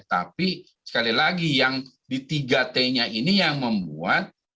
tapi sekali lagi yang di tiga t nya ini yang membuat